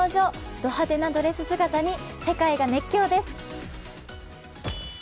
ド派手なドレス姿に世界が熱狂です。